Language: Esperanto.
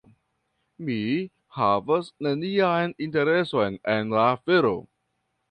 Mi havas nenian intereson en la afero.